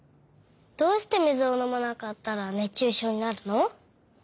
どうしてみずをのまなかったら熱中症になるの？